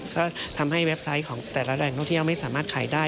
ก็ทำให้เว็บไซต์ของแต่ละแหล่งท่องเที่ยวไม่สามารถขายได้